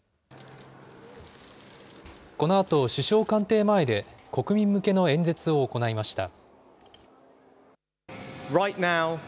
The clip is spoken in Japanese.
このあと首相官邸前で、国民向けの演説を行いました。